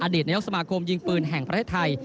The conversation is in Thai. ดีตนายกสมาคมยิงปืนแห่งประเทศไทย